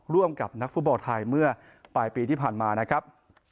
ร่วมกับนักฟุตบอลไทยเมื่อปลายปีที่ผ่านมานะครับ